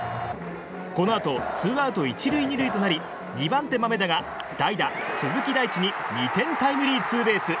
このあとツーアウト１塁２塁となり２番手、豆田が代打・鈴木大地に２点タイムリーツーベース。